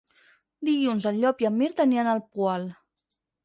Dilluns en Llop i en Mirt aniran al Poal.